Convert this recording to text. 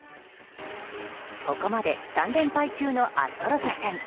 ここまで３連敗中のアストロズ戦。